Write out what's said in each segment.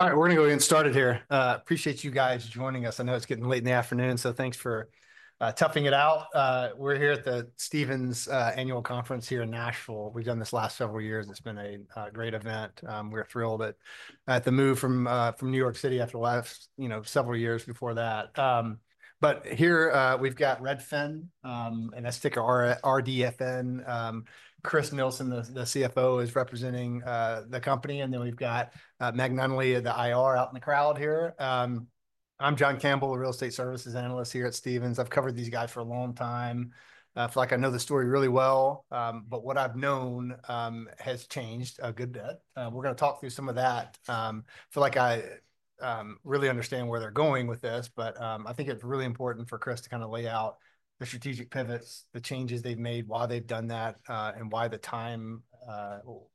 All right, we're going to go ahead and start it here. Appreciate you guys joining us. I know it's getting late in the afternoon, so thanks for toughing it out. We're here at the Stephens Annual Conference here in Nashville. We've done this last several years. It's been a great event. We're thrilled at the move from New York City after the last, you know, several years before that. Here, we've got Redfin, and that's ticker RDFN. Chris Nielsen, the CFO, is representing the company. And then we've got Meg Nunnally of the IR out in the crowd here. I'm John Campbell, a real estate services analyst here at Stephens. I've covered these guys for a long time. I feel like I know the story really well, but what I've known has changed a good bit. We're going to talk through some of that. I feel like I really understand where they're going with this, but I think it's really important for Chris to kind of lay out the strategic pivots, the changes they've made, why they've done that, and why the time,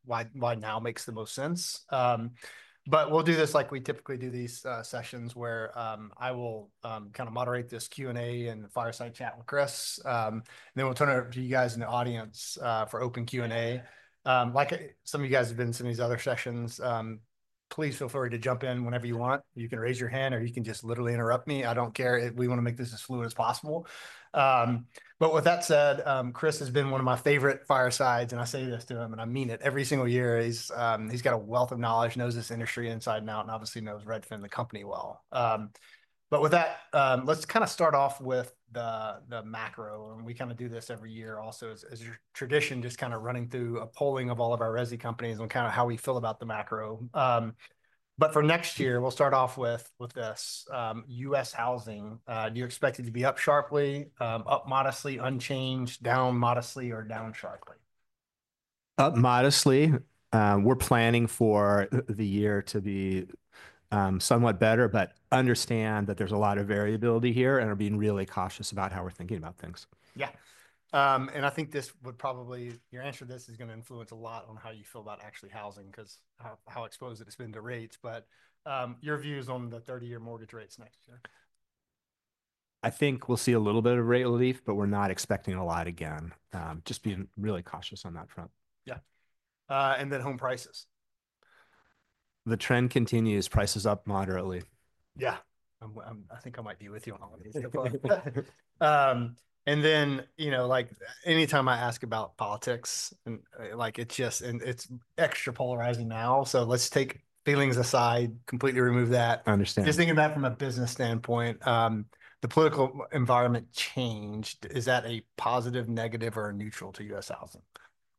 why, why now makes the most sense. But we'll do this like we typically do these sessions, where I will kind of moderate this Q&A and fireside chat with Chris. Then we'll turn it over to you guys in the audience for open Q&A. Like some of you guys have been to some of these other sessions, please feel free to jump in whenever you want. You can raise your hand or you can just literally interrupt me. I don't care. We want to make this as fluid as possible. But with that said, Chris has been one of my favorite firesides, and I say this to him, and I mean it every single year. He's got a wealth of knowledge, knows this industry inside and out, and obviously knows Redfin, the company well. But with that, let's kind of start off with the macro. And we kind of do this every year also as your tradition, just kind of running through a polling of all of our Resi companies and kind of how we feel about the macro. But for next year, we'll start off with this, U.S. housing. Do you expect it to be up sharply, up modestly, unchanged, down modestly, or down sharply? Up modestly. We're planning for the year to be somewhat better, but understand that there's a lot of variability here and are being really cautious about how we're thinking about things. Yeah. And I think this would probably, your answer to this is going to influence a lot on how you feel about actually housing because how exposed it has been to rates. But, your views on the 30-year mortgage rates next year? I think we'll see a little bit of rate relief, but we're not expecting a lot again. Just being really cautious on that front. Yeah, and then home prices? The trend continues. Prices up moderately. Yeah. I think I might be with you on all of these people. And then, you know, like anytime I ask about politics and like it's just, and it's extra polarizing now. So let's take feelings aside, completely remove that. I understand. Just thinking of that from a business standpoint, the political environment changed. Is that a positive, negative, or neutral to U.S. housing?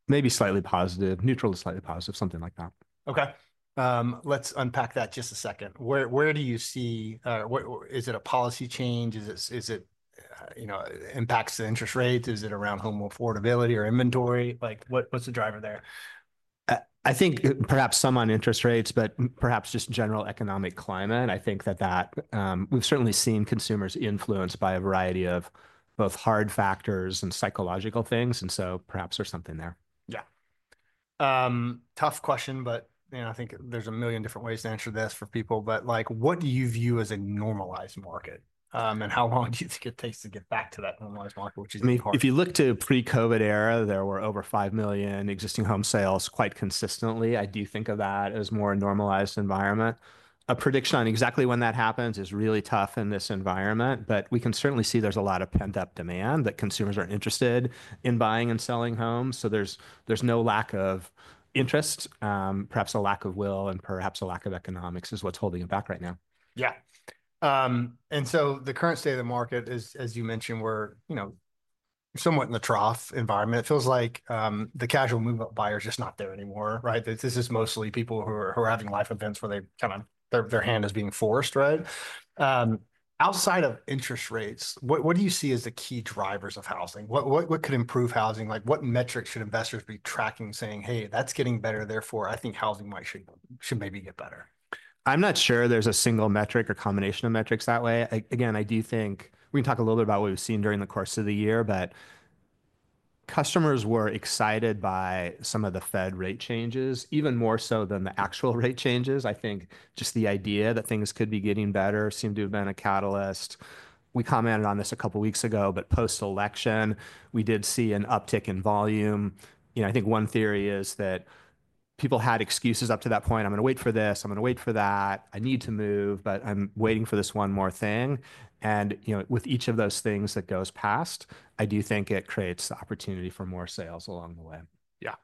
Maybe slightly positive. Neutral to slightly positive, something like that. Okay. Let's unpack that just a second. Where do you see what is it a policy change? Is it you know impacts the interest rates? Is it around home affordability or inventory? Like what's the driver there? I think perhaps some on interest rates, but perhaps just general economic climate. I think that we've certainly seen consumers influenced by a variety of both hard factors and psychological things, and so perhaps there's something there. Yeah. Tough question, but, you know, I think there's a million different ways to answer this for people, but like, what do you view as a normalized market? and how long do you think it takes to get back to that normalized market, which is important? If you look to pre-COVID era, there were over five million existing home sales quite consistently. I do think of that as more a normalized environment. A prediction on exactly when that happens is really tough in this environment, but we can certainly see there's a lot of pent-up demand that consumers are interested in buying and selling homes, so there's no lack of interest, perhaps a lack of will and perhaps a lack of economics is what's holding it back right now. Yeah. And so the current state of the market is, as you mentioned, we're, you know, somewhat in the trough environment. It feels like the casual move-up buyer is just not there anymore, right? This is mostly people who are having life events where they kind of their hand is being forced, right? Outside of interest rates, what do you see as the key drivers of housing? What could improve housing? Like what metrics should investors be tracking saying, "Hey, that's getting better. Therefore, I think housing might should maybe get better"? I'm not sure there's a single metric or combination of metrics that way. Again, I do think we can talk a little bit about what we've seen during the course of the year, but customers were excited by some of the Fed rate changes, even more so than the actual rate changes. I think just the idea that things could be getting better seemed to have been a catalyst. We commented on this a couple of weeks ago, but post-election, we did see an uptick in volume. You know, I think one theory is that people had excuses up to that point. I'm going to wait for this. I'm going to wait for that. I need to move, but I'm waiting for this one more thing. And, you know, with each of those things that goes past, I do think it creates the opportunity for more sales along the way. Yeah.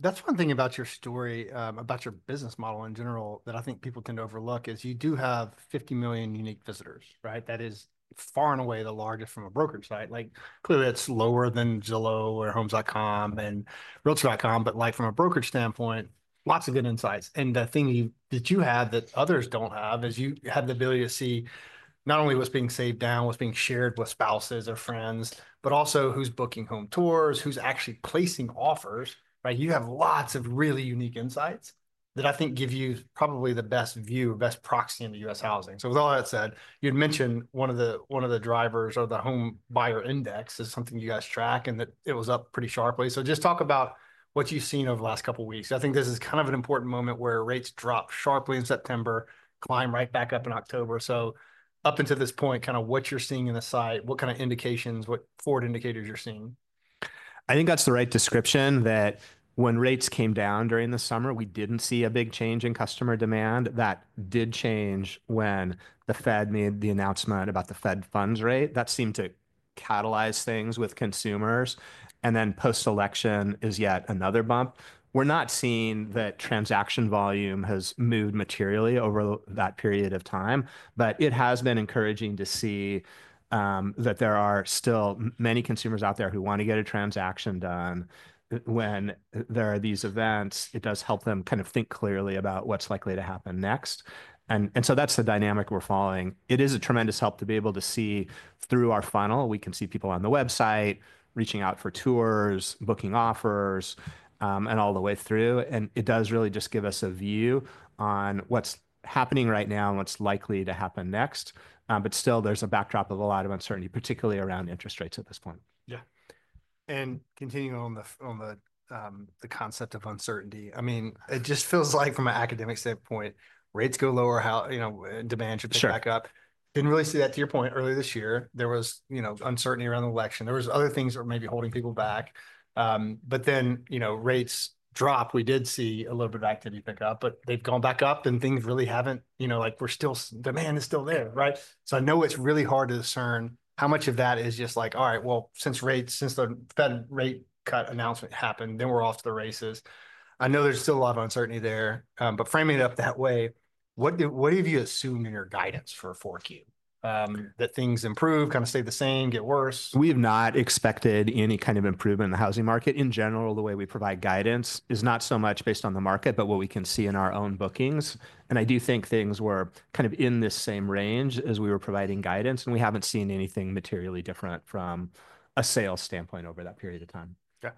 That's one thing about your story, about your business model in general that I think people tend to overlook is you do have 50 million unique visitors, right? That is far and away the largest from a brokerage, right? Like clearly it's lower than Zillow or Homes.com and Realtor.com, but like from a brokerage standpoint, lots of good insights. And the thing that you, that you have that others don't have is you have the ability to see not only what's being saved down, what's being shared with spouses or friends, but also who's booking home tours, who's actually placing offers, right? You have lots of really unique insights that I think give you probably the best view, best proxy in the U.S. housing. So with all that said, you had mentioned one of the, one of the drivers or the home buyer index is something you guys track and that it was up pretty sharply. So just talk about what you've seen over the last couple of weeks. I think this is kind of an important moment where rates drop sharply in September, climb right back up in October. So up until this point, kind of what you're seeing in the site, what kind of indications, what forward indicators you're seeing? I think that's the right description that when rates came down during the summer, we didn't see a big change in customer demand. That did change when the Fed made the announcement about the Fed funds rate. That seemed to catalyze things with consumers, and then post-election is yet another bump. We're not seeing that transaction volume has moved materially over that period of time, but it has been encouraging to see that there are still many consumers out there who want to get a transaction done. When there are these events, it does help them kind of think clearly about what's likely to happen next, and so that's the dynamic we're following. It is a tremendous help to be able to see through our funnel. We can see people on the website reaching out for tours, booking offers, and all the way through. And it does really just give us a view on what's happening right now and what's likely to happen next. But still there's a backdrop of a lot of uncertainty, particularly around interest rates at this point. Yeah. And continuing on the concept of uncertainty, I mean, it just feels like from an academic standpoint, rates go lower, you know, demand should pick back up. Didn't really see that to your point earlier this year. There was, you know, uncertainty around the election. There were other things that were maybe holding people back. But then, you know, rates dropped. We did see a little bit of activity pick up, but they've gone back up and things really haven't, you know, like we're still, demand is still there, right? So I know it's really hard to discern how much of that is just like, all right, well, since the Fed rate cut announcement happened, then we're off to the races. I know there's still a lot of uncertainty there, but framing it up that way, what have you assumed in your guidance for a forward view that things improve, kind of stay the same, get worse? We have not expected any kind of improvement in the housing market. In general, the way we provide guidance is not so much based on the market, but what we can see in our own bookings, and I do think things were kind of in this same range as we were providing guidance, and we haven't seen anything materially different from a sales standpoint over that period of time. Yeah.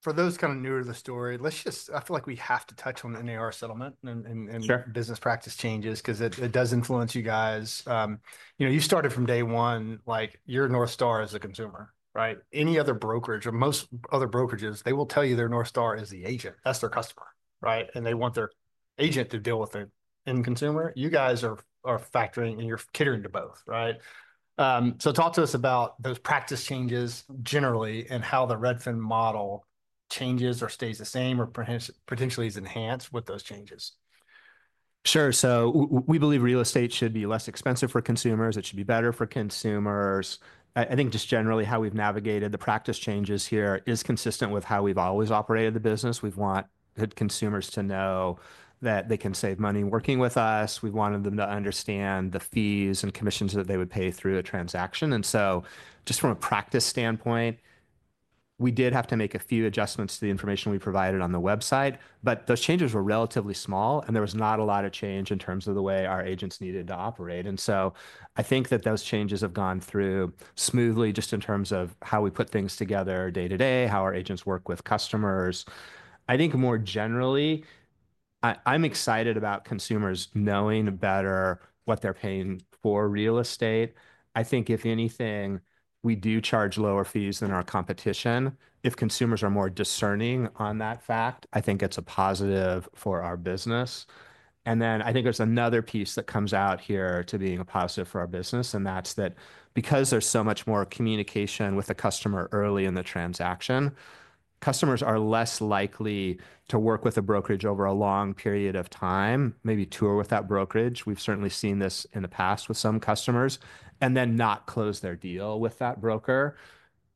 For those kind of newer to the story, let's just, I feel like we have to touch on NAR settlement and business practice changes because it does influence you guys. You know, you started from day one, like your North Star is a consumer, right? Any other brokerage or most other brokerages, they will tell you their North Star is the agent. That's their customer, right? And they want their agent to deal with their end consumer. You guys are factoring and you're catering to both, right? So talk to us about those practice changes generally and how the Redfin model changes or stays the same or potentially is enhanced with those changes. Sure. So we believe real estate should be less expensive for consumers. It should be better for consumers. I think just generally how we've navigated the practice changes here is consistent with how we've always operated the business. We've wanted consumers to know that they can save money working with us. We've wanted them to understand the fees and commissions that they would pay through a transaction. And so just from a practice standpoint, we did have to make a few adjustments to the information we provided on the website, but those changes were relatively small and there was not a lot of change in terms of the way our agents needed to operate. And so I think that those changes have gone through smoothly just in terms of how we put things together day to day, how our agents work with customers. I think more generally, I'm excited about consumers knowing better what they're paying for real estate. I think if anything, we do charge lower fees than our competition. If consumers are more discerning on that fact, I think it's a positive for our business. And then I think there's another piece that comes out here to being a positive for our business, and that's that because there's so much more communication with the customer early in the transaction, customers are less likely to work with a brokerage over a long period of time, maybe tour with that brokerage. We've certainly seen this in the past with some customers and then not close their deal with that broker.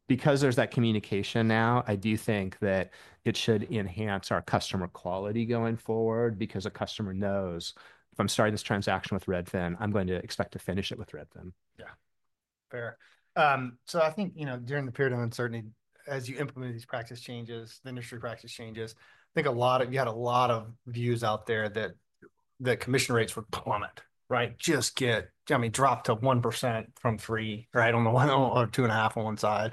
Because there's that communication now, I do think that it should enhance our customer quality going forward because a customer knows if I'm starting this transaction with Redfin, I'm going to expect to finish it with Redfin. Yeah. Fair. So I think, you know, during the period of uncertainty, as you implement these practice changes, the industry practice changes, I think a lot of, you had a lot of views out there that the commission rates would plummet, right? Just get, I mean, drop to 1% from 3%, right? On the one or 2.5% on one side.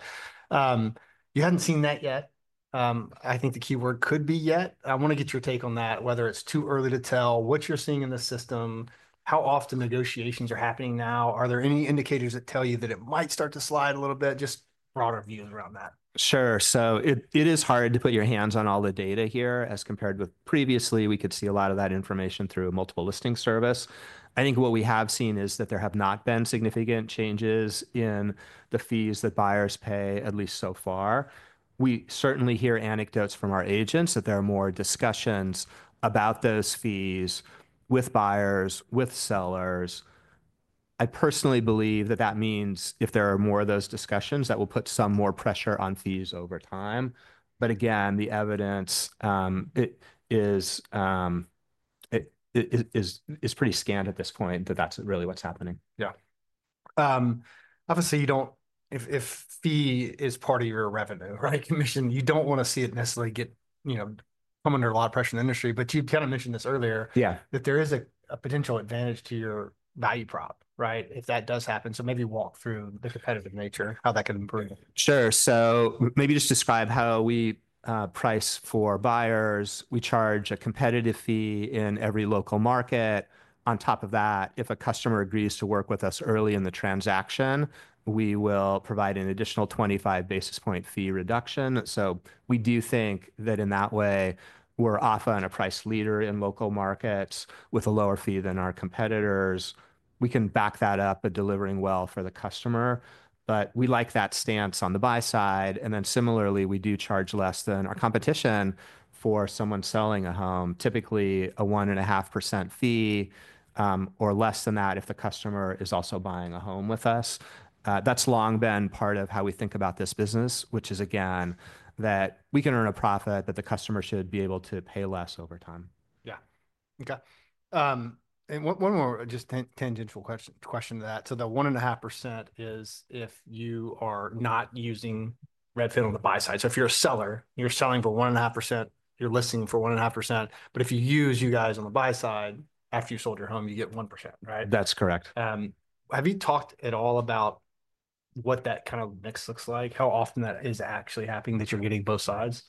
You hadn't seen that yet. I think the keyword could be yet. I want to get your take on that, whether it's too early to tell what you're seeing in the system, how often negotiations are happening now. Are there any indicators that tell you that it might start to slide a little bit? Just broader views around that. Sure. So it is hard to put your hands on all the data here as compared with previously. We could see a lot of that information through a multiple listing service. I think what we have seen is that there have not been significant changes in the fees that buyers pay, at least so far. We certainly hear anecdotes from our agents that there are more discussions about those fees with buyers, with sellers. I personally believe that that means if there are more of those discussions, that will put some more pressure on fees over time. But again, the evidence, it is pretty scant at this point that that's really what's happening. Yeah. Obviously you don't, if fee is part of your revenue, right? Commission, you don't want to see it necessarily get, you know, come under a lot of pressure in the industry, but you kind of mentioned this earlier. Yeah. That there is a potential advantage to your value prop, right? If that does happen, so maybe walk through the competitive nature, how that can improve. Sure. So maybe just describe how we price for buyers. We charge a competitive fee in every local market. On top of that, if a customer agrees to work with us early in the transaction, we will provide an additional 25 basis points fee reduction. So we do think that in that way, we're often a price leader in local markets with a lower fee than our competitors. We can back that up by delivering well for the customer, but we like that stance on the buy side. And then similarly, we do charge less than our competition for someone selling a home, typically a 1.5% fee, or less than that if the customer is also buying a home with us. That's long been part of how we think about this business, which is again, that we can earn a profit that the customer should be able to pay less over time. Yeah. Okay. And one more just tangential question to that. So the 1.5% is if you are not using Redfin on the buy side. So if you're a seller, you're selling for 1.5%, you're listing for 1.5%, but if you use you guys on the buy side, after you sold your home, you get 1%, right? That's correct. Have you talked at all about what that kind of mix looks like? How often that is actually happening that you're getting both sides?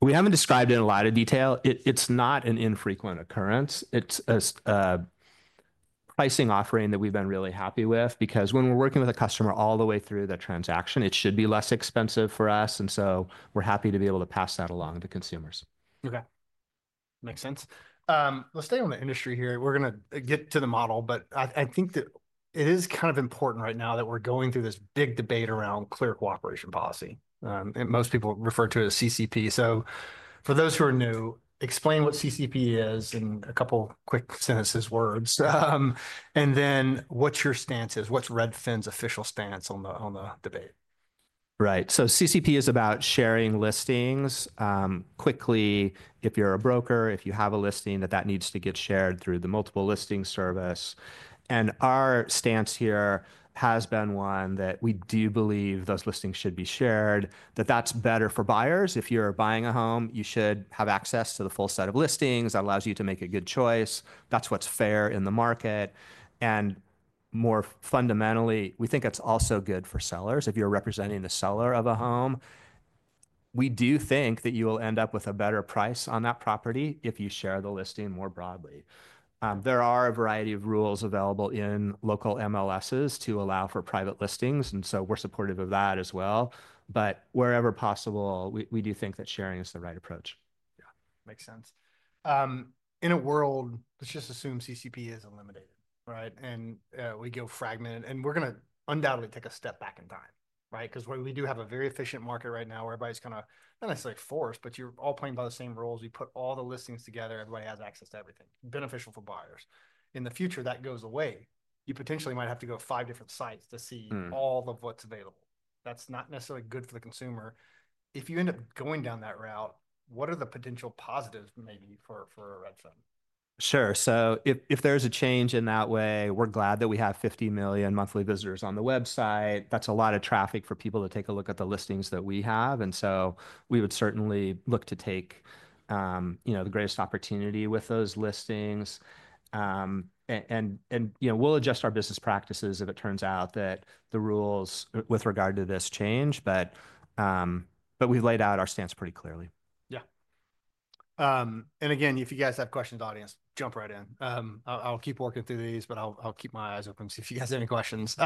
We haven't described it in a lot of detail. It's not an infrequent occurrence. It's a pricing offering that we've been really happy with because when we're working with a customer all the way through the transaction, it should be less expensive for us, and so we're happy to be able to pass that along to consumers. Okay. Makes sense. Let's stay on the industry here. We're going to get to the model, but I, I think that it is kind of important right now that we're going through this big debate around the Clear Cooperation Policy, and most people refer to it as CCP. So for those who are new, explain what CCP is in a couple of quick sentences, words, and then what's your stance is, what's Redfin's official stance on the, on the debate? Right. So CCP is about sharing listings quickly. If you're a broker, if you have a listing, that needs to get shared through the Multiple Listing Service. Our stance here has been one that we do believe those listings should be shared, that's better for buyers. If you're buying a home, you should have access to the full set of listings. That allows you to make a good choice. That's what's fair in the market. More fundamentally, we think it's also good for sellers. If you're representing the seller of a home, we do think that you will end up with a better price on that property if you share the listing more broadly. There are a variety of rules available in local MLSs to allow for private listings. We're supportive of that as well. But wherever possible, we do think that sharing is the right approach. Yeah. Makes sense. In a world, let's just assume CCP is eliminated, right? And we go fragmented and we're going to undoubtedly take a step back in time, right? Because where we do have a very efficient market right now, where everybody's kind of, not necessarily forced, but you're all playing by the same rules. You put all the listings together. Everybody has access to everything beneficial for buyers. In the future, that goes away. You potentially might have to go five different sites to see all of what's available. That's not necessarily good for the consumer. If you end up going down that route, what are the potential positives maybe for, for a Redfin? Sure. So if there's a change in that way, we're glad that we have 50 million monthly visitors on the website. That's a lot of traffic for people to take a look at the listings that we have. And so we would certainly look to take, you know, the greatest opportunity with those listings. And you know, we'll adjust our business practices if it turns out that the rules with regard to this change, but we've laid out our stance pretty clearly. Yeah. And again, if you guys have questions, audience, jump right in. I'll keep working through these, but I'll keep my eyes open to see if you guys have any questions.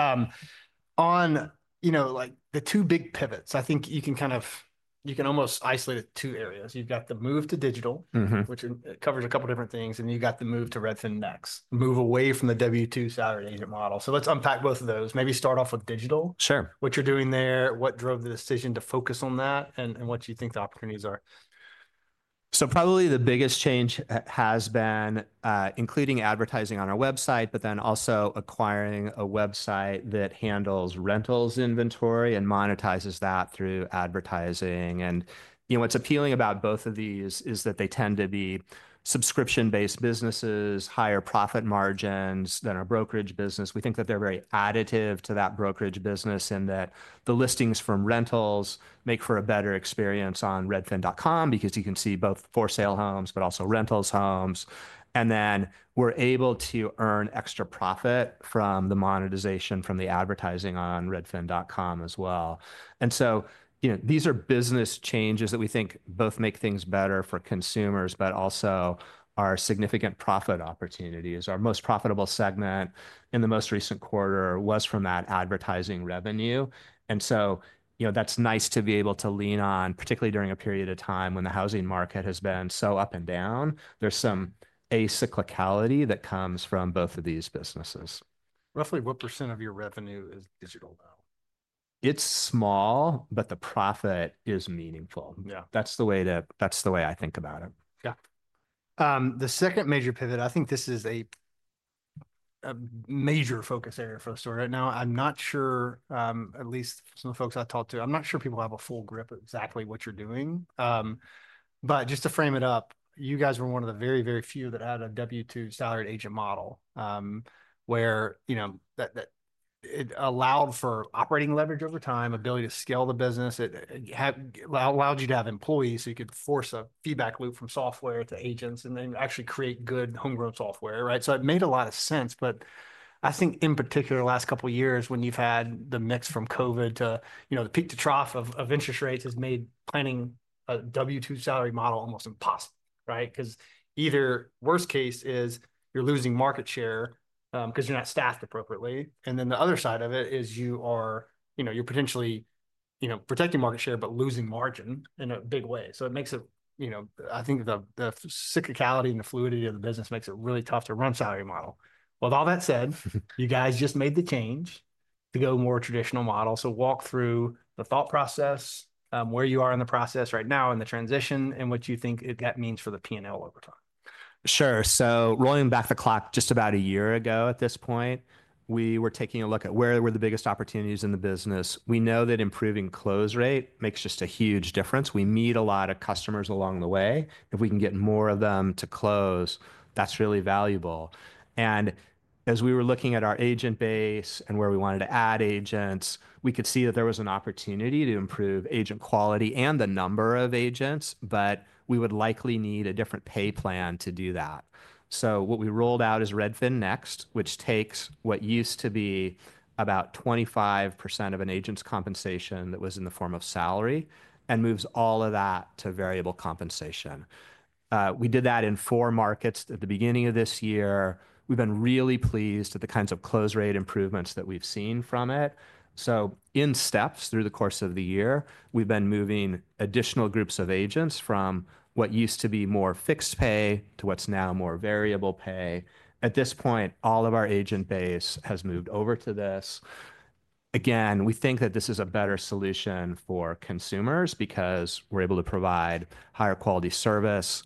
On, you know, like the two big pivots, I think you can kind of almost isolate it to two areas. You've got the move to digital, which covers a couple of different things, and you've got the move to Redfin Next, move away from the W-2 salary agent model. So let's unpack both of those. Maybe start off with digital. Sure. What you're doing there, what drove the decision to focus on that, and what you think the opportunities are? So, probably the biggest change has been including advertising on our website, but then also acquiring a website that handles rental inventory and monetizes that through advertising. And, you know, what's appealing about both of these is that they tend to be subscription-based businesses, higher profit margins than our brokerage business. We think that they're very additive to that brokerage business in that the listings from rentals make for a better experience on Redfin.com because you can see both for sale homes, but also rental homes. And then we're able to earn extra profit from the monetization from the advertising on Redfin.com as well. And so, you know, these are business changes that we think both make things better for consumers, but also our significant profit opportunities. Our most profitable segment in the most recent quarter was from that advertising revenue. And so, you know, that's nice to be able to lean on, particularly during a period of time when the housing market has been so up and down. There's some acyclicality that comes from both of these businesses. Roughly what percent of your revenue is digital now? It's small, but the profit is meaningful. Yeah. That's the way I think about it. Yeah. The second major pivot, I think this is a major focus area for the story right now. I'm not sure, at least some of the folks I've talked to, I'm not sure people have a full grip of exactly what you're doing. But just to frame it up, you guys were one of the very, very few that had a W-2 salary agent model, where, you know, that it allowed for operating leverage over time, ability to scale the business. It allowed you to have employees so you could force a feedback loop from software to agents and then actually create good homegrown software, right? So it made a lot of sense, but I think in particular, the last couple of years when you've had the mix from COVID to, you know, the peak to trough of interest rates has made planning a W-2 salary model almost impossible, right? Because either worst case is you're losing market share, because you're not staffed appropriately. And then the other side of it is you are, you know, you're potentially, you know, protecting market share, but losing margin in a big way. So it makes it, you know, I think the, the cyclicality and the fluidity of the business makes it really tough to run salary model. With all that said, you guys just made the change to go more traditional model. So, walk through the thought process, where you are in the process right now and the transition and what you think that means for the P&L over time. Sure, so rolling back the clock just about a year ago at this point, we were taking a look at where were the biggest opportunities in the business. We know that improving close rate makes just a huge difference. We meet a lot of customers along the way. If we can get more of them to close, that's really valuable, and as we were looking at our agent base and where we wanted to add agents, we could see that there was an opportunity to improve agent quality and the number of agents, but we would likely need a different pay plan to do that, so what we rolled out is Redfin Next, which takes what used to be about 25% of an agent's compensation that was in the form of salary and moves all of that to variable compensation. We did that in four markets at the beginning of this year. We've been really pleased at the kinds of close rate improvements that we've seen from it. So in steps through the course of the year, we've been moving additional groups of agents from what used to be more fixed pay to what's now more variable pay. At this point, all of our agent base has moved over to this. Again, we think that this is a better solution for consumers because we're able to provide higher quality service.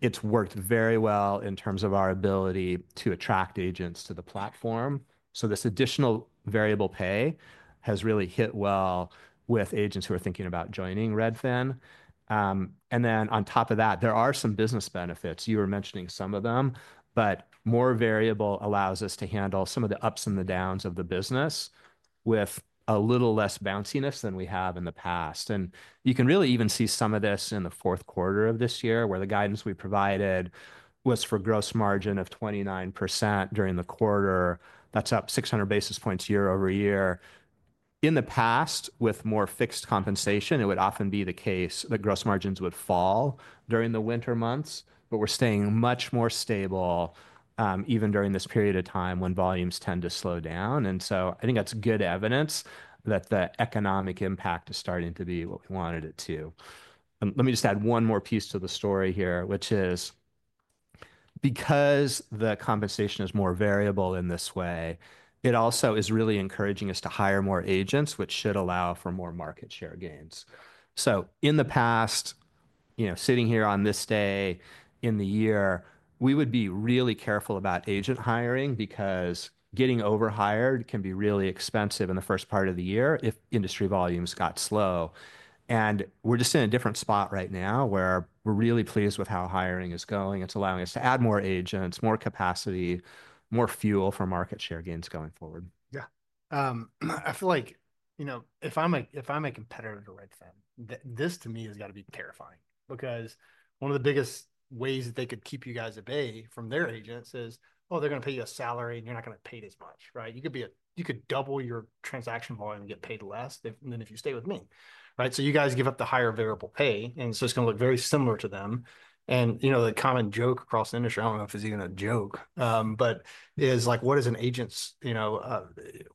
It's worked very well in terms of our ability to attract agents to the platform. So this additional variable pay has really hit well with agents who are thinking about joining Redfin, and then on top of that, there are some business benefits. You were mentioning some of them, but more variable allows us to handle some of the ups and the downs of the business with a little less bounciness than we have in the past. And you can really even see some of this in the fourth quarter of this year where the guidance we provided was for gross margin of 29% during the quarter. That's up 600 basis points year-over-year. In the past, with more fixed compensation, it would often be the case that gross margins would fall during the winter months, but we're staying much more stable, even during this period of time when volumes tend to slow down. And so I think that's good evidence that the economic impact is starting to be what we wanted it to. Let me just add one more piece to the story here, which is because the compensation is more variable in this way, it also is really encouraging us to hire more agents, which should allow for more market share gains. In the past, you know, sitting here on this day in the year, we would be really careful about agent hiring because getting overhired can be really expensive in the first part of the year if industry volumes got slow. We're just in a different spot right now where we're really pleased with how hiring is going. It's allowing us to add more agents, more capacity, more fuel for market share gains going forward. Yeah. I feel like, you know, if I'm a competitor to Redfin, this to me has got to be terrifying because one of the biggest ways that they could keep you guys at bay from their agents is, oh, they're going to pay you a salary and you're not going to pay as much, right? You could double your transaction volume and get paid less than if you stay with me, right? So you guys give up the higher variable pay and so it's going to look very similar to them. And you know, the common joke across the industry, I don't know if it's even a joke, but is like, what is an agent's, you know,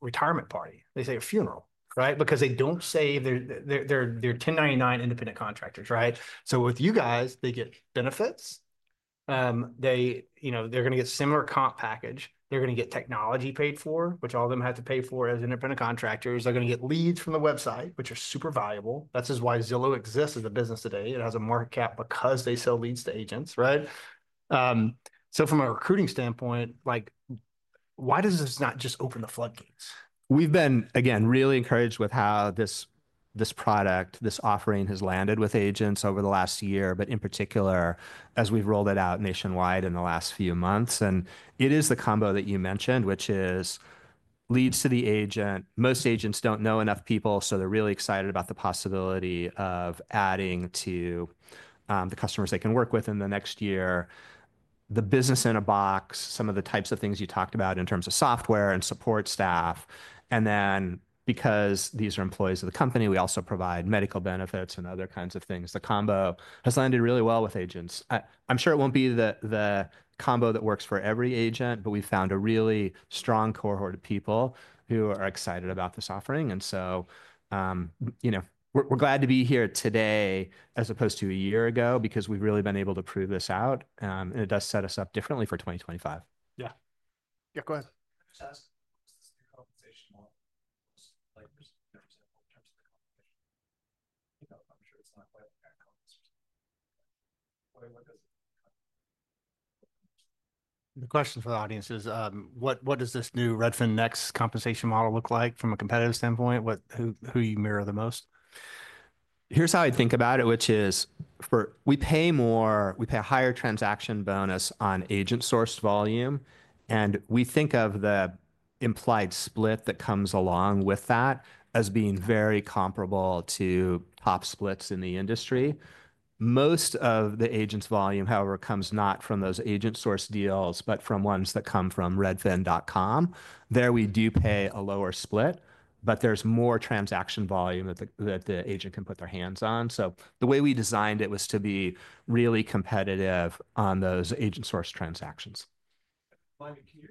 retirement party? They say a funeral, right? Because they don't say they're 1099 independent contractors, right? So with you guys, they get benefits. They, you know, they're going to get a similar comp package. They're going to get technology paid for, which all of them have to pay for as independent contractors. They're going to get leads from the website, which are super valuable. That's why Zillow exists as a business today. It has a market cap because they sell leads to agents, right? So from a recruiting standpoint, like, why does this not just open the floodgates? We've been, again, really encouraged with how this, this product, this offering has landed with agents over the last year, but in particular, as we've rolled it out nationwide in the last few months, and it is the combo that you mentioned, which is leads to the agent. Most agents don't know enough people, so they're really excited about the possibility of adding to, the customers they can work with in the next year. The business in a box, some of the types of things you talked about in terms of software and support staff, and then because these are employees of the company, we also provide medical benefits and other kinds of things. The combo has landed really well with agents. I'm sure it won't be the, the combo that works for every agent, but we've found a really strong cohort of people who are excited about this offering. And so, you know, we're glad to be here today as opposed to a year ago because we've really been able to prove this out. And it does set us up differently for 2025. Yeah. Yeah, go ahead. The question for the audience is, what does this new Redfin Next compensation model look like from a competitive standpoint? Who do you mirror the most? Here's how I think about it, which is for we pay more, we pay a higher transaction bonus on agent-sourced volume. And we think of the implied split that comes along with that as being very comparable to top splits in the industry. Most of the agent's volume, however, comes not from those agent-sourced deals, but from ones that come from Redfin.com. There we do pay a lower split, but there's more transaction volume that the agent can put their hands on. So the way we designed it was to be really competitive on those agent-sourced transactions. Can you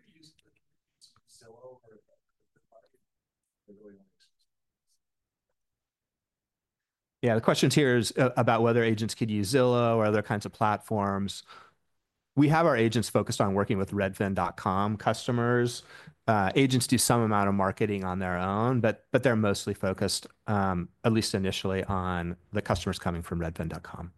use Zillow? Yeah. The question here is about whether agents could use Zillow or other kinds of platforms. We have our agents focused on working with Redfin.com customers. Agents do some amount of marketing on their own, but they're mostly focused, at least initially on the customers coming from Redfin.com.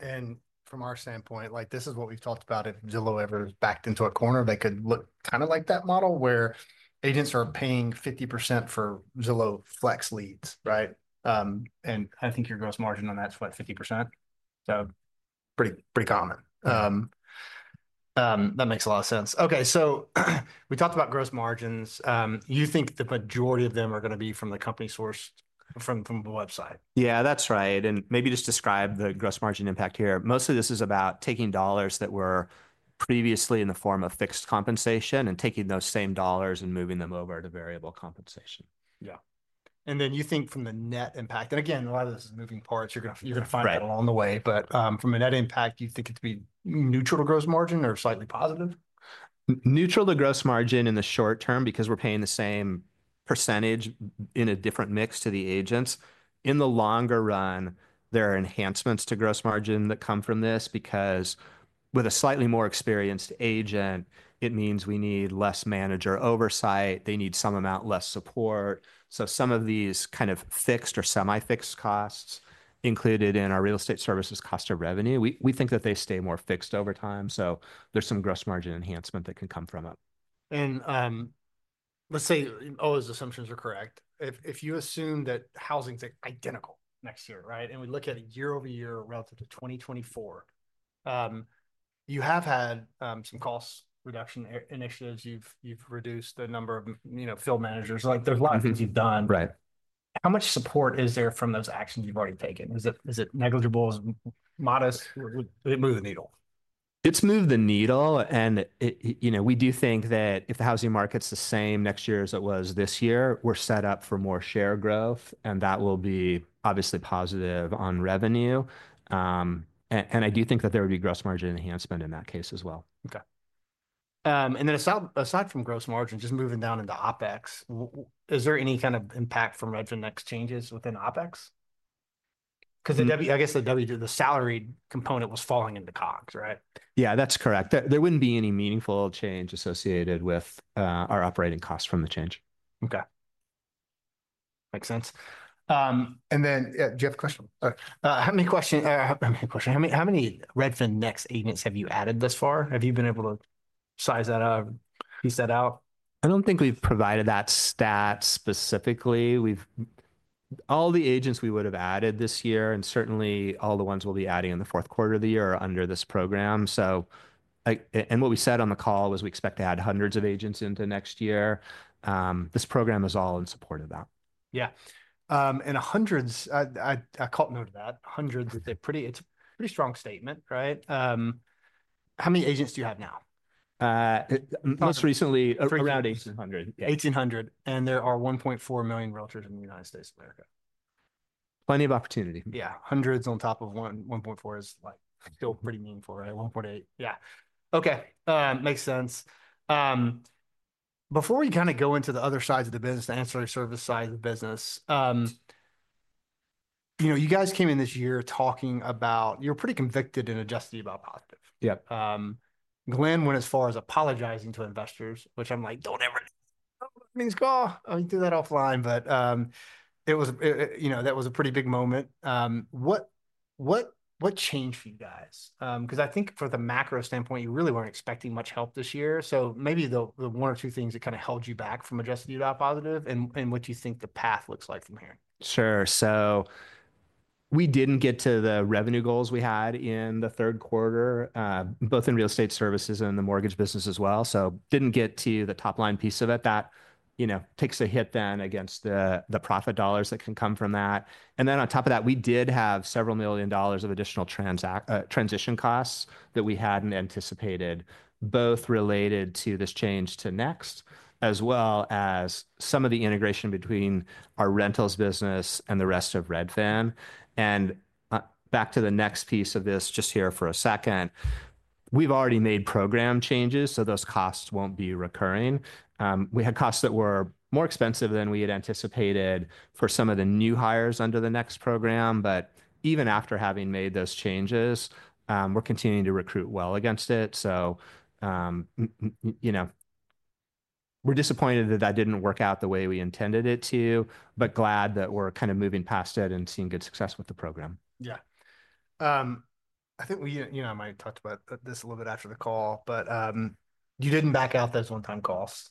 And from our standpoint, like this is what we've talked about. If Zillow ever is backed into a corner, they could look kind of like that model where agents are paying 50% for Zillow Flex leads, right? And I think your gross margin on that's what, 50%? So pretty, pretty common. That makes a lot of sense. Okay. So we talked about gross margins. You think the majority of them are going to be from the company sourced from the website? Yeah, that's right. And maybe just describe the gross margin impact here. Mostly this is about taking dollars that were previously in the form of fixed compensation and taking those same dollars and moving them over to variable compensation. Yeah. And then you think from the net impact, and again, a lot of this is moving parts, you're going to, you're going to find that along the way, but, from a net impact, you think it's to be neutral to gross margin or slightly positive? Neutral to gross margin in the short term because we're paying the same percentage in a different mix to the agents. In the longer run, there are enhancements to gross margin that come from this because with a slightly more experienced agent, it means we need less manager oversight. They need some amount less support. So some of these kind of fixed or semi-fixed costs included in our real estate services cost of revenue, we think that they stay more fixed over time. So there's some gross margin enhancement that can come from it. Let's say all those assumptions are correct. If you assume that housing's identical next year, right? We look at a year-over-year relative to 2024. You have had some cost reduction initiatives. You've reduced the number of, you know, field managers. Like there's a lot of things you've done. Right. How much support is there from those actions you've already taken? Is it, is it negligible, modest? It moved the needle. It's moved the needle, and it, you know, we do think that if the housing market's the same next year as it was this year, we're set up for more share growth, and that will be obviously positive on revenue, and I do think that there would be gross margin enhancement in that case as well. Okay. And then aside from gross margin, just moving down into OPEX, is there any kind of impact from Redfin Next changes within OPEX? Because the W-2, I guess, the salary component was falling into COGS, right? Yeah, that's correct. There wouldn't be any meaningful change associated with our operating costs from the change. Okay. Makes sense, and then do you have a question? How many Redfin Next agents have you added thus far? Have you been able to size that out, piece that out? I don't think we've provided that stat specifically. We've all the agents we would have added this year and certainly all the ones we'll be adding in the fourth quarter of the year are under this program. So, and what we said on the call was we expect to add hundreds of agents into next year. This program is all in support of that. Yeah. And hundreds, I took note of that. Hundreds is a pretty, it's a pretty strong statement, right? How many agents do you have now? most recently around 1,800. There are 1.4 million realtors in the United States of America. Plenty of opportunity. Yeah. Hundreds on top of one, 1.4 is like still pretty meaningful, right? 1.8. Yeah. Okay. Makes sense. Before we kind of go into the other sides of the business, the ancillary service side of the business, you know, you guys came in this year talking about, you're pretty convinced and adjusted about positive. Yeah. Glenn went as far as apologizing to investors, which I'm like, don't ever call. I mean, do that offline, but it was, you know, that was a pretty big moment. What changed for you guys, because I think for the macro standpoint, you really weren't expecting much help this year, so maybe the one or two things that kind of held you back from adjusting to that positive and what you think the path looks like from here. Sure. We didn't get to the revenue goals we had in the third quarter, both in real estate services and the mortgage business as well. We didn't get to the top line piece of it that, you know, takes a hit then against the profit dollars that can come from that. On top of that, we did have several million dollars of additional transition costs that we hadn't anticipated, both related to this change to Next as well as some of the integration between our rentals business and the rest of Redfin. Back to the Next piece of this just here for a second, we've already made program changes, so those costs won't be recurring. We had costs that were more expensive than we had anticipated for some of the new hires under the Next program, but even after having made those changes, we're continuing to recruit well against it, so you know, we're disappointed that that didn't work out the way we intended it to, but glad that we're kind of moving past it and seeing good success with the program. Yeah. I think we, you know, I might talk about this a little bit after the call, but you didn't back out those one-time costs.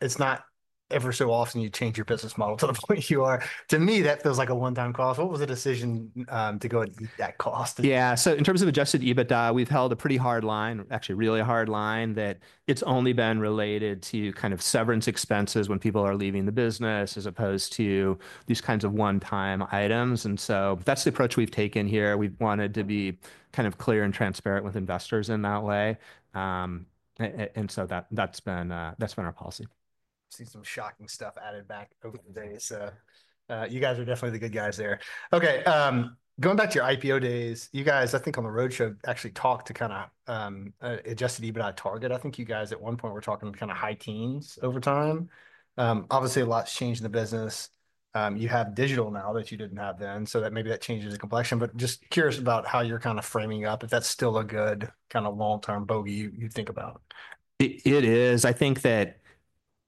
It's not every so often you change your business model to the point you are. To me, that feels like a one-time cost. So what was the decision to go and eat that cost? Yeah. So in terms of adjusted EBITDA, we've held a pretty hard line, actually really hard line that it's only been related to kind of severance expenses when people are leaving the business as opposed to these kinds of one-time items. And so that's the approach we've taken here. We've wanted to be kind of clear and transparent with investors in that way. And so that's been our policy. seen some shocking stuff added back over the days. You guys are definitely the good guys there. Okay. Going back to your IPO days, you guys, I think on the roadshow actually talked to kind of adjusted EBITDA target. I think you guys at one point were talking to kind of high teens over time. Obviously a lot's changed in the business. You have digital now that you didn't have then, so that maybe that changes the complexion, but just curious about how you're kind of framing up if that's still a good kind of long-term bogey you think about. It is. I think that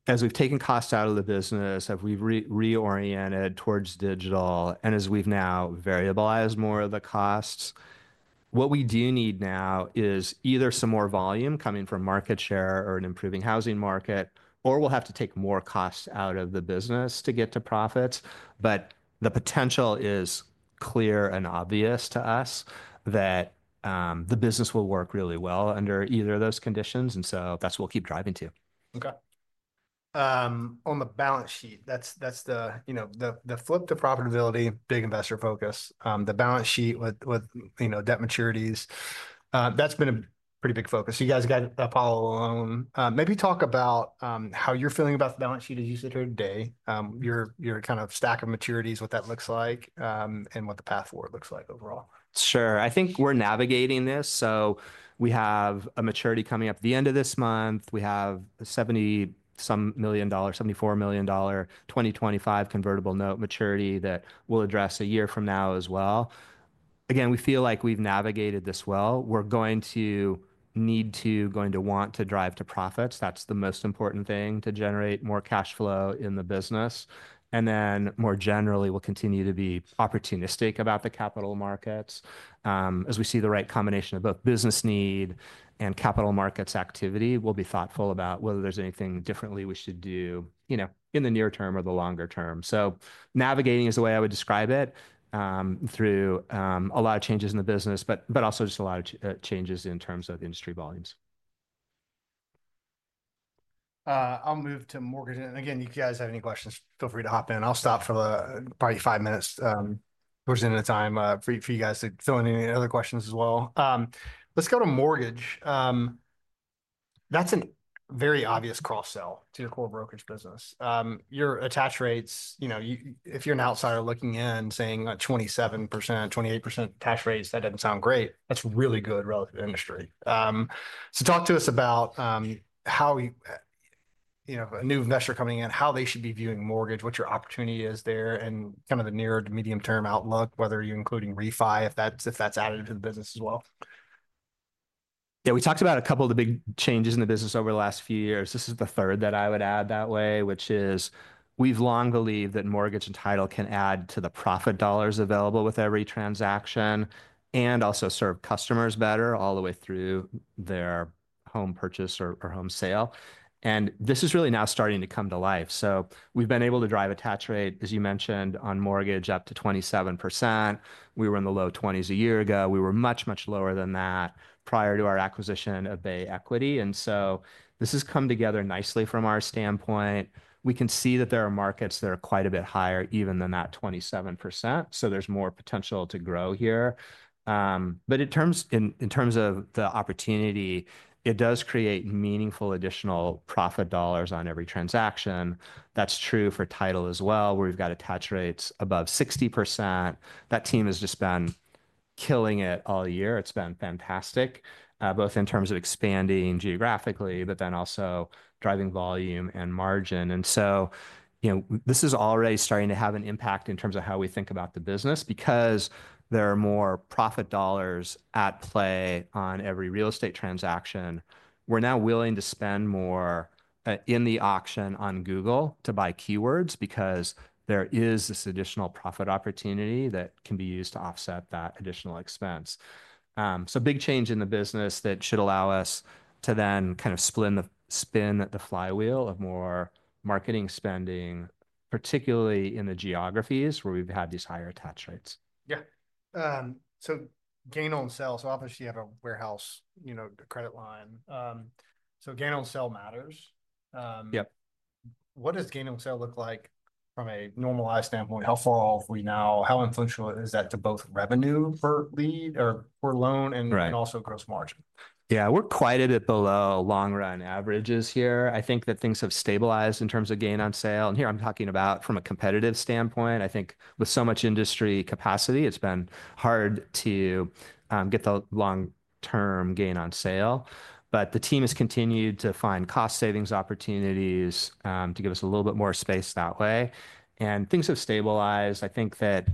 as we've taken costs out of the business, as we've reoriented towards digital and as we've now variabilized more of the costs, what we do need now is either some more volume coming from market share or an improving housing market, or we'll have to take more costs out of the business to get to profits. But the potential is clear and obvious to us that the business will work really well under either of those conditions. And so that's what we'll keep driving to. Okay. On the balance sheet, that's, that's the, you know, the, the flip to profitability, big investor focus. The balance sheet with, with, you know, debt maturities, that's been a pretty big focus. You guys got Apollo loan. Maybe talk about, how you're feeling about the balance sheet as you sit here today. Your, your kind of stack of maturities, what that looks like, and what the path forward looks like overall. Sure. I think we're navigating this. So we have a maturity coming up at the end of this month. We have a $70-some million, $74 million 2025 convertible note maturity that we'll address a year from now as well. Again, we feel like we've navigated this well. We're going to need to, going to want to drive to profits. That's the most important thing to generate more cash flow in the business. And then more generally, we'll continue to be opportunistic about the capital markets. As we see the right combination of both business need and capital markets activity, we'll be thoughtful about whether there's anything differently we should do, you know, in the near term or the longer term. So navigating is the way I would describe it, through a lot of changes in the business, but but also just a lot of changes in terms of industry volumes. I'll move to mortgage. And again, you guys have any questions, feel free to hop in. I'll stop for, probably, five minutes, towards the end of the time, for you guys to fill in any other questions as well. Let's go to mortgage. That's a very obvious cross-sell to your core brokerage business. Your attach rates, you know, you, if you're an outsider looking in saying a 27%-28% attach rates, that doesn't sound great. That's really good relative to the industry. So talk to us about, how we, you know, a new investor coming in, how they should be viewing mortgage, what your opportunity is there and kind of the near to medium term outlook, whether you're including refi, if that's added to the business as well. Yeah, we talked about a couple of the big changes in the business over the last few years. This is the third that I would add that way, which is we've long believed that mortgage and title can add to the profit dollars available with every transaction and also serve customers better all the way through their home purchase or home sale. And this is really now starting to come to life. So we've been able to drive attach rate, as you mentioned, on mortgage up to 27%. We were in the low 20s a year ago. We were much, much lower than that prior to our acquisition of Bay Equity. And so this has come together nicely from our standpoint. We can see that there are markets that are quite a bit higher even than that 27%. So there's more potential to grow here. But in terms of the opportunity, it does create meaningful additional profit dollars on every transaction. That's true for title as well, where we've got attach rates above 60%. That team has just been killing it all year. It's been fantastic, both in terms of expanding geographically, but then also driving volume and margin. And so, you know, this is already starting to have an impact in terms of how we think about the business because there are more profit dollars at play on every real estate transaction. We're now willing to spend more, in the auction on Google to buy keywords because there is this additional profit opportunity that can be used to offset that additional expense. So big change in the business that should allow us to then kind of spin up the flywheel of more marketing spending, particularly in the geographies where we've had these higher attach rates. Yeah. So gain on sale. So obviously you have a warehouse, you know, credit line. So gain on sale matters. What does gain on sale look like from a normalized standpoint? How far off are we now? How influential is that to both revenue for lead or for loan and also gross margin? Yeah, we're quite a bit below long run averages here. I think that things have stabilized in terms of gain on sale. And here I'm talking about from a competitive standpoint. I think with so much industry capacity, it's been hard to get the long-term gain on sale. But the team has continued to find cost savings opportunities, to give us a little bit more space that way. And things have stabilized. I think that,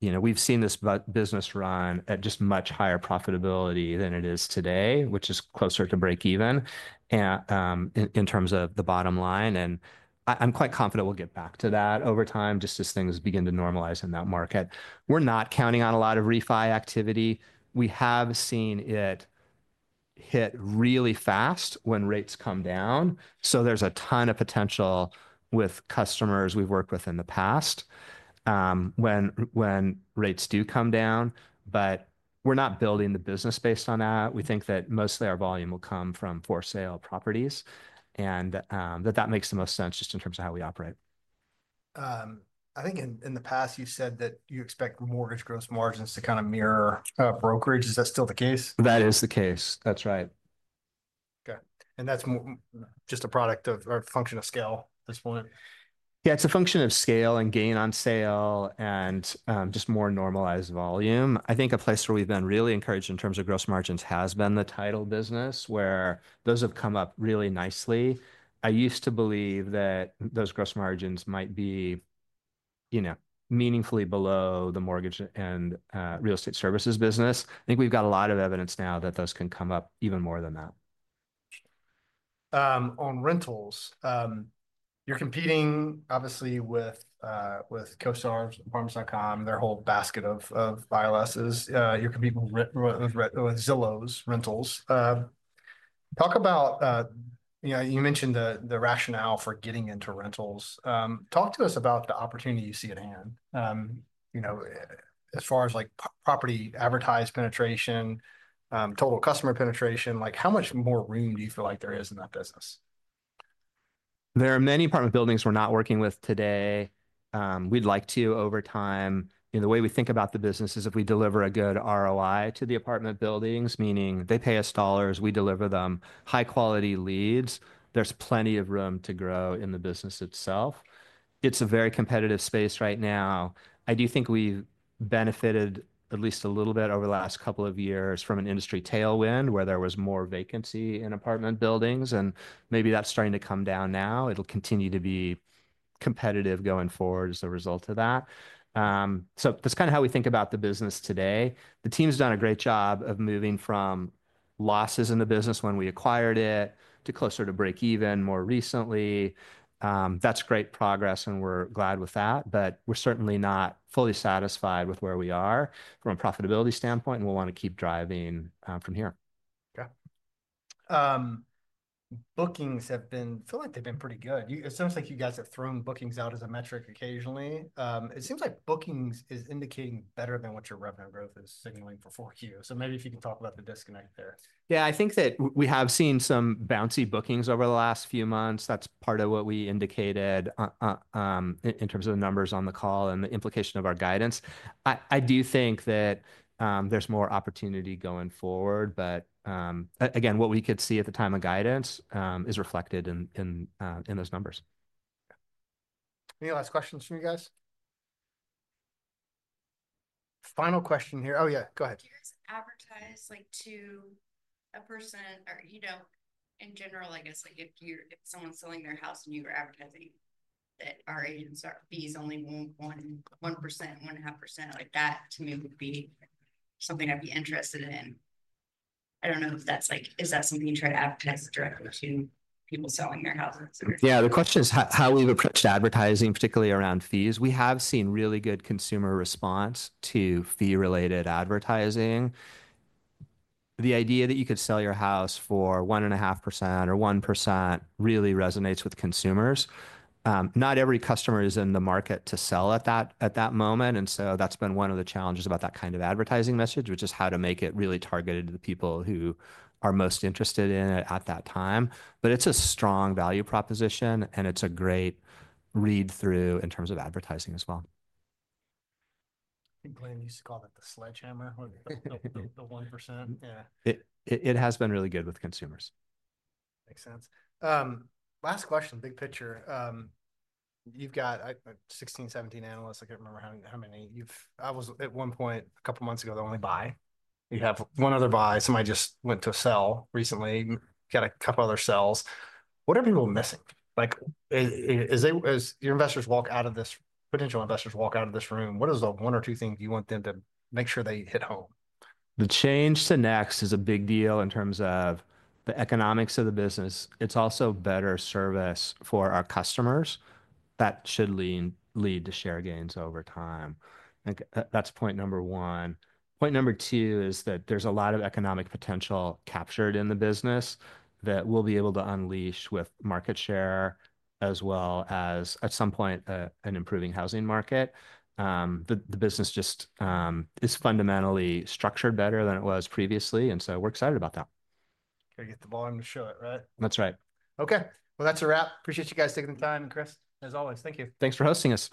you know, we've seen this business run at just much higher profitability than it is today, which is closer to break even. And in terms of the bottom line, and I'm quite confident we'll get back to that over time just as things begin to normalize in that market. We're not counting on a lot of refi activity. We have seen it hit really fast when rates come down. So there's a ton of potential with customers we've worked with in the past, when rates do come down, but we're not building the business based on that. We think that mostly our volume will come from for sale properties and that makes the most sense just in terms of how we operate. I think in the past you said that you expect mortgage gross margins to kind of mirror brokerage. Is that still the case? That is the case. That's right. Okay. And that's just a product of or function of scale at this point? Yeah, it's a function of scale and gain on sale and, just more normalized volume. I think a place where we've been really encouraged in terms of gross margins has been the title business where those have come up really nicely. I used to believe that those gross margins might be, you know, meaningfully below the mortgage and, real estate services business. I think we've got a lot of evidence now that those can come up even more than that. On rentals, you're competing obviously with CoStar Group, Zillow, their whole basket of ILSs. You're competing with Zillow's rentals. Talk about, you know, you mentioned the rationale for getting into rentals. Talk to us about the opportunity you see at hand. You know, as far as like property advertised penetration, total customer penetration, like how much more room do you feel like there is in that business? There are many apartment buildings we're not working with today. We'd like to over time. You know, the way we think about the business is if we deliver a good ROI to the apartment buildings, meaning they pay us dollars, we deliver them high quality leads, there's plenty of room to grow in the business itself. It's a very competitive space right now. I do think we've benefited at least a little bit over the last couple of years from an industry tailwind where there was more vacancy in apartment buildings and maybe that's starting to come down now. It'll continue to be competitive going forward as a result of that, so that's kind of how we think about the business today. The team's done a great job of moving from losses in the business when we acquired it to closer to break even more recently. That's great progress and we're glad with that, but we're certainly not fully satisfied with where we are from a profitability standpoint and we'll want to keep driving from here. Okay. Bookings have been, feel like they've been pretty good. It sounds like you guys have thrown bookings out as a metric occasionally. It seems like bookings is indicating better than what your revenue growth is signaling for 4Q. So maybe if you can talk about the disconnect there. Yeah, I think that we have seen some bouncy bookings over the last few months. That's part of what we indicated, in terms of the numbers on the call and the implication of our guidance. I do think that, there's more opportunity going forward, but, again, what we could see at the time of guidance, is reflected in those numbers. Any last questions from you guys? Final question here. Oh yeah, go ahead. Do you guys advertise like to a person or, you know, in general, I guess like if you're, if someone's selling their house and you were advertising that our agents' fees only one, 1%, 1.5%, like that to me would be something I'd be interested in. I don't know if that's like, is that something you try to advertise directly to people selling their houses? Yeah, the question is how we've approached advertising, particularly around fees. We have seen really good consumer response to fee-related advertising. The idea that you could sell your house for 1.5% or 1% really resonates with consumers. Not every customer is in the market to sell at that, at that moment. And so that's been one of the challenges about that kind of advertising message, which is how to make it really targeted to the people who are most interested in it at that time. But it's a strong value proposition and it's a great read-through in terms of advertising as well. I think Glenn used to call that the sledgehammer or the 1%. Yeah. It has been really good with consumers. Makes sense. Last question, big picture. You've got 16, 17 analysts. I can't remember how many you've, I was at one point a couple of months ago, the only buy. You have one other buy. Somebody just went to sell recently, got a couple other sells. What are people missing? Like, as they, as your investors walk out of this, potential investors walk out of this room, what is the one or two things you want them to make sure they hit home? The change to Next is a big deal in terms of the economics of the business. It's also better service for our customers that should lead to share gains over time. I think that's point number one. Point number two is that there's a lot of economic potential captured in the business that we'll be able to unleash with market share as well as at some point an improving housing market. The business just is fundamentally structured better than it was previously. And so we're excited about that. Gotta get the volume to show it, right? That's right. Okay. Well, that's a wrap. Appreciate you guys taking the time and Chris, as always. Thank you. Thanks for hosting us.